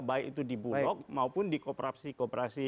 baik itu di bulog maupun di kooperasi kooperasi